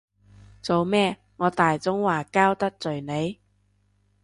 做咩，我大中華膠得罪你？